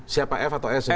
siapa f atau s ini